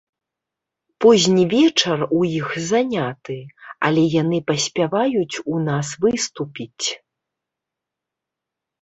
Позні вечар у іх заняты, але яны паспяваюць у нас выступіць!